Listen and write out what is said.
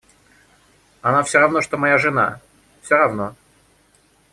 Она всё равно что моя жена, всё равно.